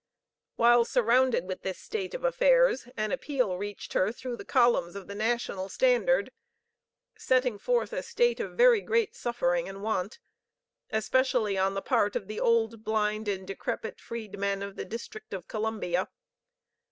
While surrounded with this state of affairs, an appeal reached her through the columns of the National Standard, setting forth a state of very great suffering and want, especially on the part of the old, blind and decrepit Freedmen of the District of Columbia.